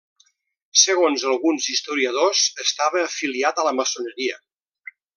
Segons alguns historiadors estava afiliat a la maçoneria.